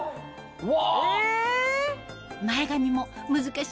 うわ！